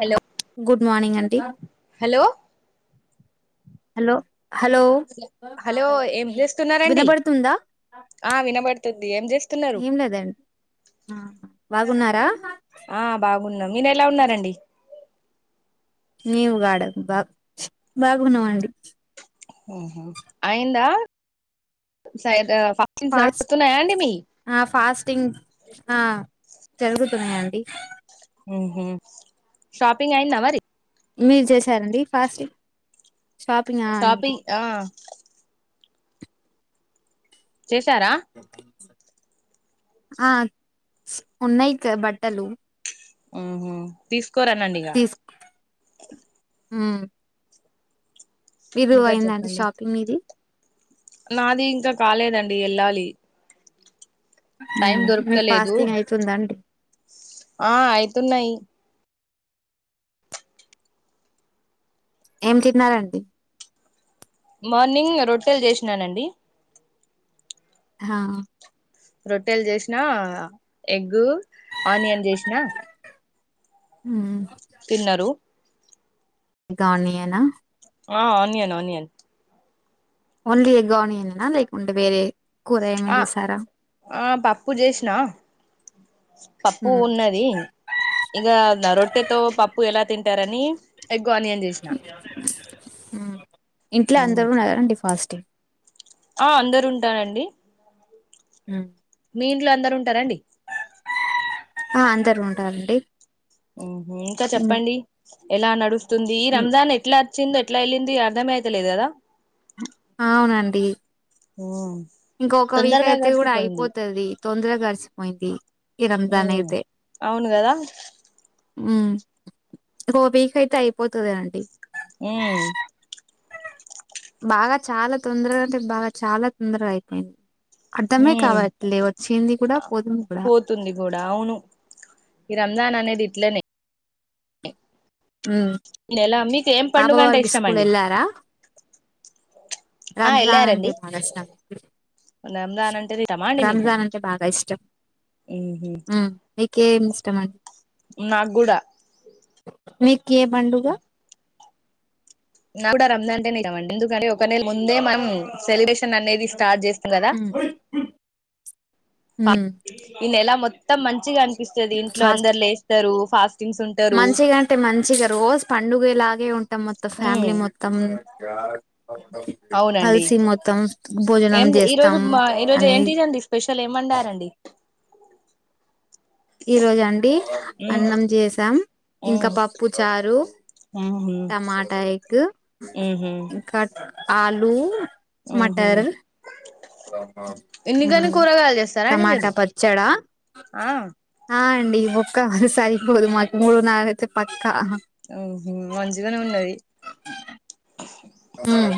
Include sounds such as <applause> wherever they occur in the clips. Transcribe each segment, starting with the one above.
Hello good morning అండి hello hello hello hello ఏం చేస్తున్నారండి వినపడుతుందా ఆ వినబడుతుంది ఏం చేస్తున్నారు ఏం లేదండి ఆ బాగున్నారా ఉన్నా మీర ఎలా ఉన్నారండి నీవు గాడ బా బాగున్నావండి అహా అయందా సద ఆ ఫస్ ఆ పాస్టింగ్ ఆ జరుగుతున్నాయంండి ఉహుమ్ షాపింగ్ అయిందవరి మీరు చేశారండి ఫాస్టింగ్ షాపింగ్ ఆ అయింది షాపింగ్ ఆ చేసారా ఆ ఉన్నాయిక బట్టలు ఉ హు తీసుకోర అనండి ఇగ ఉమ్ విరు ఇంకా అయిందండి చెప్పండి షాపింగ్ మీది నాది ఇంకా కాలేదండి వెళ్ళాలి టైం ఉమ్ మీ దొరుకుతలేదు ఫాస్టింగ్ అయితుందా అండి ఆ అయితున్నాయి ఏం తిన్నారండి మార్నింగ్ రొట్టెలు చేసినానండి హా రొట్టెలు చేసినా ఎగ్గు ఆనియన్ చేసినా ఉమ్ తిన్నరు ఇంకా ఆనియనా ఆ ఆనియన్ ఆనియన్ ఓన్లీ ఎగ్ ఆనియనేనా లేకుంటే వేరే కూర ఏమైనా ఆ చేసారా ఆ పప్పు చేసినా పప్పు మ్మ్ ఉన్నది ఇగ రొట్టెతో పప్పు ఎలా తింట తింటారని ఎగ్ ఆనియన్ చేసిన ఉ ఇంట్లో అందరున్నారా అండి ఫాస్ట్ ఆ అందరు ఉంటారండి ఉ మీ ఇంట్లో అందరు ఉంటారా అండి ఆ అందరు ఉంటారండి ఉమ్ ఇంకా చెప్పండి ఎలా నడుస్ తుంది రంజాన్ ఎట్లా చింది ఎట్లా వెళ్ళింది అర్థమే అయితలేదు కదా అవునండి ఇంక ఒక వీక్ తొందరగా అయితే కూడా గడిసిపోయింది అయిపోతది తొందరగా గడిచిపోయింది ఈ రంజాన్ ఉమ్ అయితే అవును కదా ఉ ఇంగో వీక్ అయితే అయిపోతది అండి ఉమ్ బాగా చాలా తొందరగా అంటే బాగా చాలా తొందరగా అయిపోయింది అర్ధమే హ్మ్ కావట్లే వచ్చింది కూడా పోతుంది కూడా పోతుంది కూడా అవును ఈ రంజాన్ అనేది ఇట్లనే ఉమ్, నెలా మీక్ ఏం పాప పండుగ అంటే వారికి స్కూల్ ఇష్టమండి వెళ్ళారా రంజాన్ అంటే బాగా ఇష్టం రంజాన్ అంటేనే ఇష్టమా అండి మీకు రంజాన్ అంటే బాగా ఇష్టం కేం ఇష్టమండి నాక్గూడా మీకు ఏ పండుగ నాక్కూడా రంజాన్ అంటేనే ఇష్టం మండి ఎందుకంటే ఒక నెల ముందే మనం సెలబ్రే షన్ అనేది స్టార్ట్ చేస్తం కదా ఉమ్, ఉమ్. ఈ నెల మొత్తం ఇంత మంచిగా అని పిస్తది ఇంట్లో ఫాస్ట్ అందరు లేస్తారు ఫాస్ట్ మంచిగా అంటే మంచిగా రోజు పన్ డునుగెలాగ్ నే ఉంటాం మొత్తం ఉమ్ ఫ్యామిలీ మొత్తం అవునండి కల్సి మొత్తం భోజనం ఏం ఈ రోజు చేస్తాం మా ఈ రోజు అని ఏంటిదండి స్పెషల్ ఏం వండారండి ఈ రోజా అండి ఉమ్ అన్నం చేసాం, ఇంకా ఉమ్ పప్పు చారు, ఉహు టమాటా ఎగ్ ఉహు ఇంకా ఆలూ ఉహు మటర్ హ్మ్ ఎన్నికని కూరగాయలు చేస్తారా అండి టమాటా మీరు పచ్చడా ఆ ఆ అండి ఈ ఒక్క సరిపోదు మాకు మూడునాలయితే పక్ ఆహ మంచిగానే ఉన్నది హ్మ్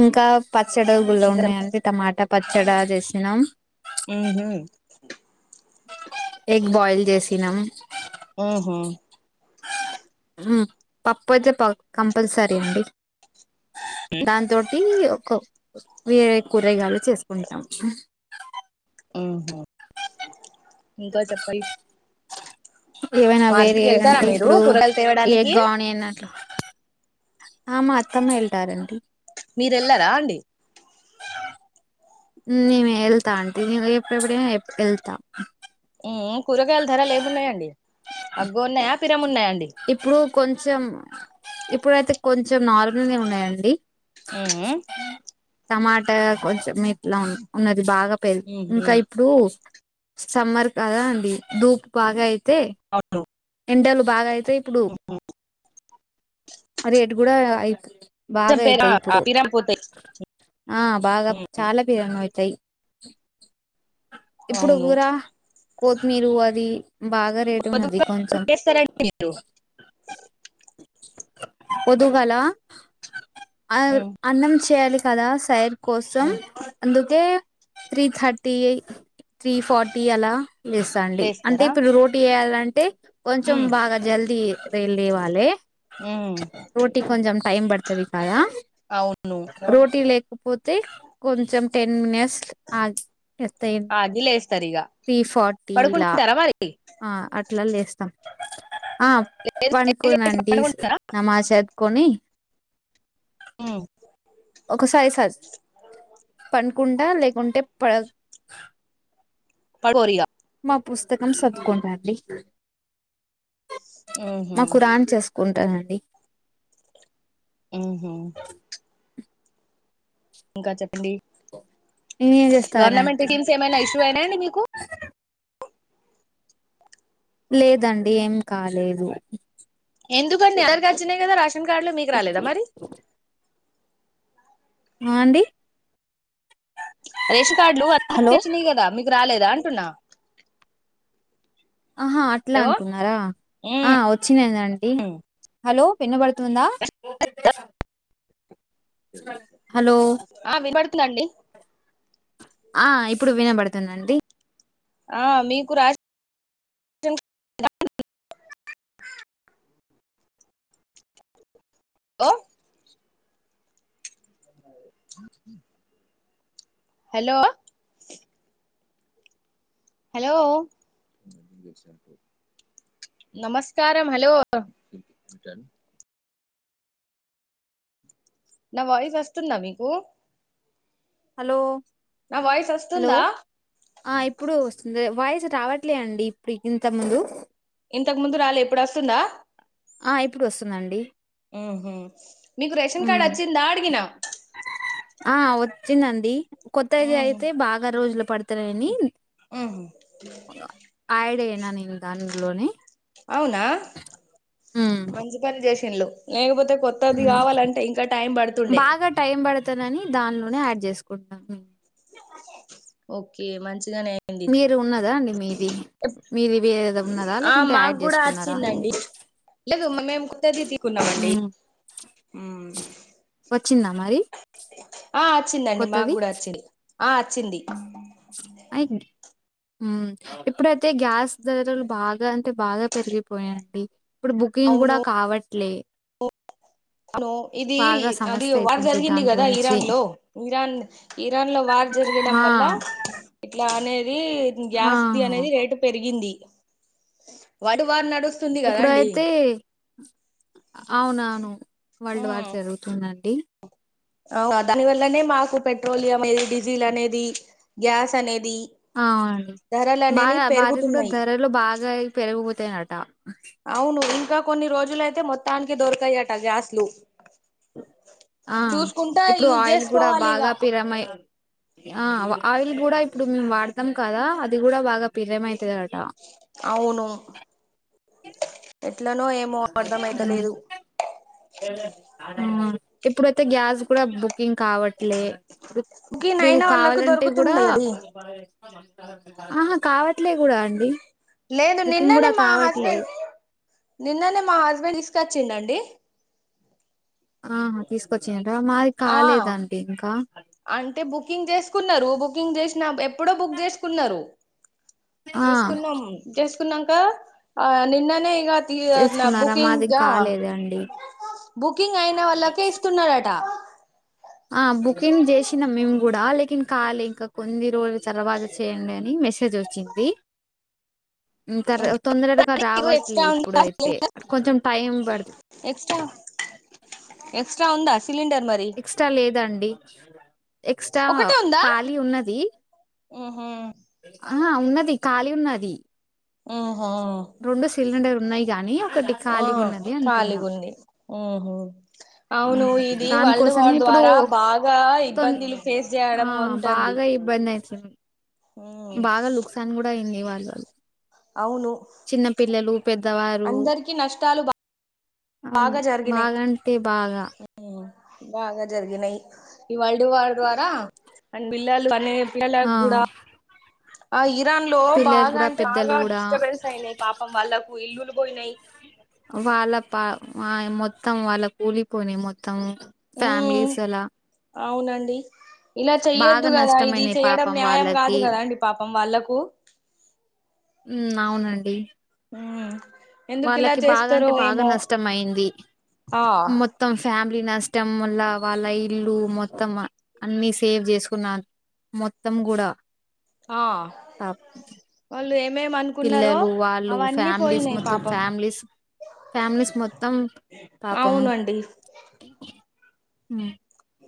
ఇంకా పచ్చడి గుళ్ళో ఇంకా ఉన్నాయండి టమాటా పచ్చడా చేసినాం మ్మ్ హు ఎగ్ బాయిల్ చేసినాం హ్మ్ హ్ హ్మ్ పప్పు అయితే కంపల్సరీ అండి దాంతోటి ఒక వేరే కూరగాయలు చేసుకుంటాం హ్మ్ హు ఇంకా చెప్పాల్ ఏమైనా వేరే అంటే ఇప్పుడు కూరగాయలు తేవడానికి ఎగ్ ఆనియన్ న్నట్లు ఆ మా అత్తమ్మ వెళ్తారండి మీరు ఎల్లరా అండి నేను వెళ్తా ఆంటీ ఎప్పుడెప్పుడైనా వెళ్తా హ్మ్ కూరగాయలు ధరలు ఏమున్నాయి అండి అగ్గువ ఉన్నాయా తిరము ఉన్నాయ ఇప్పుడు కొంచెం ఇప్పుడైతే కొంచెం నార్మల్నే ఉన్నాయండి హ్మ్ హు టమాట్ అ కొంచెం ఇట్లా ఉన్నది బాగా పెరు ఊహు ఇంకా ఇప్పుడు సమ్మర్ కదా అండి ధూప్ బాగా అయి అవును ఎండెలు బాగాయి తే ఇప్పుడు రేట్ కూడా ఐతు బాగా అయితాయి ఇప్పుడు పిరాన్ పోతాయి ఆ బాగా చాలా బిరంగ అవుతాయి ఇప్పుడు అవును వూర కొతిమీరు అది బాగా రేటున్నది కొంచెం లేస్తారండి మీరు పొద్దుగాల ఆ ఊమ్ అన్నం చేయాలి కదా సైన్ కోసం అందుకే త్రీ థర్టీ త్రీ ఫార్టీ అలా లెస్ అండి అంటే లేస్తారా ఇప్పుడు రోటీ చేయాలం అంటే కొంచెం ఊమ్ బాగా జల్ది లేవాలె ఊమ్ రోటీ కొంచం టైమ్ బడతది కాయ అవును రోటీ లే పోతే కొంచెం టెన్ మిని <unintelligible> ఆగి లేస్తారు ఇగ త్రీ ఫార్టీ ఇలా పడుకుంటారా మరి ఆ అట్లా లేస్తాం ఆ లేసి పనుకోనండి పడుకుంటారా నమాజ్ చదువుకోని హ్మ్ ఒకసారి ఉంటే పడ <unintelligible> మా పుస్తకం చదువుకుంటాండి. ఊహు మా ఖురాన్ చేసుకుం కదా అండి ఆహ ఇంకా చెప్పండి నేనేం గవర్నమెంట్ చేస్తారండి స్కీమ్స్ ఏమైనా ఇష్యూ అయినా అండి మీకు లేదండి ఏం కాలేదు ఎందుకండి అందరికీ వచ్చినాయి కదా రాష రేషన్ కార్డు లో మీకు రాలేదా మరి అ అండి రేషన్ కార్డులు అ <unintelligible> హలో తెచ్చినాయి కదా మీకు రాలేదా అంటున్నా ఆహా అట్లా హలో అంటున్నారా ఆ ఉమ్ వచ్చినాదండి హలో వినబడుతుందా హలో ఆ విపడుతుందండి ఆ ఇప్పుడు వినబడుతుందండి ఆ మీకు రా అ హలో హలో నమస్కారం హలో నా వాయిస్ వస్తుందా మీకు హలో నా వాయిస్ హలో వస్తుందా ఆ ఇప్పుడు వస్తుంది వాయిస్ రావట్లే అండి ఇప్పుడు ఇంత ముందు ఇంతకు ముందు రాలే ఇప్పుడు వస్తుందా? ఆ ఇప్పుడు వస్తుందండి. ఊహు మీకు రేషన్ కార్డ్ హ్మ్ వచ్చిందా అడిగినా ఆ.. వచ్చిందండి కొత్తది ఉహు అయితే బాగా రోజులు పడుతున్నాయని ఉహు ఆడ్ అయిన నేను దానిలోనే అవునా హ్మ్ ఇల్లు లేకపోతే కొత్తది హ్మ్ కావాలంటే ఇంకా టైం బడుతుండే ఇత్తదని దానిలోనే యాడ్ చేసుకుంటాం హు ఓకే మంచ్ మీరు ఉన్నదా అండి మీది మీది వేరేది ఉన్నదా ఆ లేకుంటే మాకు యాడ్ కూడా చేసుకున్నారా వచ్చిందండి లేదు మేము కొత్తది తీసుకున్నామండి ఉమ్ వచ్చింద మరి ఆ వచ్చిందండి కొత్తది మగూడ వచ్చింది. ఆ వచ్చింది అయి హ్మ్ ఇప్పుడైతే గ్యాస్ ధరలు బాగా అంటే బాగా పెరిగిపోయాయండి. ఇప్పుడు బుకింగ్ కూడా కావ ప్లే అను ఇది అది వార్ జరిగింది దాని కదా గురించి ఇరాన్ లో ఇరాన్ ఇరాన్ లో వార్ ఆ జరగడం వల్ల ఇట్లానే ఇదీ గ్యాస్ది ఆహా! అనేది రేటు పెరిగింది వాడు వాన్నడు ఇప్పుడయితే అవునాను వల్డ్ వార్ జరుగుతుందండి అవు ఆ దాని వల్లనే మాకు పెట్రోలి అనేది డీజిల్ అనేది గ్యాస్ అనేది ఆ అవునండి ధరలు అనేవి బాగా వారికి కూడా పెరుగుతున్నాయి ధరలు బాగా పెరిగిపోతాయి ట అవును ఇంకా కొన్ని రోజులయితే మొత్తానికి దొరకయట గ్యాస్లు ఆ చూసుకుంటా ఇప్పుడు యూజ్ ఆయిల్ గూడ చేసుకోవాలి ఇగ బాగా పిరమై ఆ వ ఆయిల్ కూడా ఇప్పుడు మేమ్ వాడతాం కదా అది కూడా బాగా పిరమై అవును ఎ ఎట్లనో ఏమో అర్థమైతలేదు. మ్ ఇప్పుడైతే గ్యాస్ కూడ బుకింగ్ కావట్లే ఇప్పుడు కీనైనా వాళ్ళకు దొరుకుతుంది అది అహ కావట్లే కూడా అండి. లేదు బుకింగ్ నిన్ననే గూడా మా కావట్లే. హస్బెంన్, నిన్ననే మా హస్బెండ్ ఇస్క చ్చ్ న్నండి ఆ తీస్ వచ్చింట్ర మాది ఆ కాలేదండి ఇంకా అంటే బుకింగ్ చేసుకున్నారు బుకింగ్ చేస్నబ్ ఎప్పుడో బుక్ చేసుకున్నారు. ఆ చేసుకున్నాం చేస్ సున్నాంక ఆ నిన్ననే ఇగ తియొ అట్ల చేసుకున్నారా బుకింగ్ మాది జావ, కాలేదండి బుకింగ్ ఐన వాళ్ళకే ఇస్తున్నారట ఆ బుకింగ్ చేసినాం మేము కూడా లేకిన్ కాలే ఇంకా కొన్ని రోజు తర్వాత చేయండి అని మెసేజ్ వచ్చింది ఇకార తొందరగా మీకు రావట్లే ఎక్స్ట్రా ఇప్పుడు ఉందా అయితే కొంచెం టైం పడతు ఎక్స్ట్రా ఎక్స్ట్రా ఉందా సిలిండర్ మరి ఎక్స్ట్రా లేదండి ఎక్స్ట్రా ఖాళీ ఉన్నది ఓహో ఆహ ఉన్నది ఖాళీ ఉన్నది. ఉ రెండు సిలిండర్ ఉన్నాయి గానీ ఒకటి ఆ ఖాళీగా ఉన్నది అంటున్న ఖాళీగుంది ఉహు అవును ఇది వల్డ్ వార్ ద్వారా బాగా తొం ఇబ్బందులు ఫేస్ చేయడం ఉంటంది. ఎస్ సున్నున్ బాగా లుక్సాన్ కూడా అయింది ఇవ అవును చిన్నపిిల్లలు పెద్దవారు అందరికి నష్టాలు బా- అ బాగా జరిగినాయి బాగాంటే బాగా ఉమ్, బాగా జరిగినాయి ఈ వల్డ్ వారి ద్వారా అ పిల్లలు అనే ఇల ఆ గుడా ఆ ఇ ఇరాన్ లో పిల్లలు బాగా కూడా అంటే పెద్దలు బాగా కూడా డిస్టర్బెన్స్ అయియి పాపం వాళ్ళలకు ఇల్లులు బయి నయి వాళ్ళ పా మొత్తం వాళ్ళ కూలిపోనే మొత్తం మోత్తం ఉమ్ ఫ్యామిలీస్ అలా అవునండి ఇలా చెయ్యొద్దు బాగా కదా ఇది నష్టమైనాయి చెయ్యడం పాపం న్యాయం కాదు వాళ్ళకి కదా అండి పాపం వాళ్ళకు ఉమ్ అవునండి ఎందుకు ఇలా వాళ్ళకి బాగా చేస్తారో అంటే బాగా ఏమో నష్టం అయింది ఆ మొత్తం ఫ్యామిలీ ఇడి నష్టం వల్ల వాళ్ళ ఇల్లు మొత్తం అన్నిీ సేవ్ చేసుకున్న మొత్తం కూడా ఆ పాప- వాళ్ళు ఏ పిల్లలు వాళ్ళు ఫ్యామిలీస్ పోయినాయి మొత్తం పాపం ఫ్యామిలీస్ ఫ్యామిలీస్ మొత్తం పాపం అవునండి హ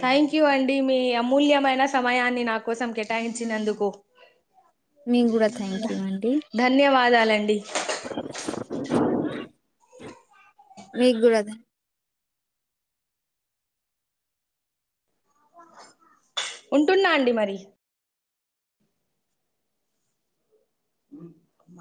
థ్యాంక్ యూ అండి మీ అమూల్యమైన సమయాన్ని నా కోసం కేటాయించినందుకు మీకు కూడా థ్యాంక్ యూ అండి ధన్యవాదాలండి మీకు కూడా అదే ఉంటున్నా అండి మరి <inaudible>